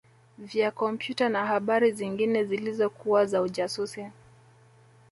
vya kompyuta na habari zingine zilizokuwa za ujasusi